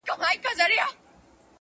ته له هره دِلستانه دِلستانه ښایسته یې-